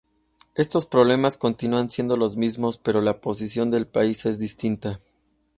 Estos problemas continúan siendo los mismos, pero la posición del país es distinta.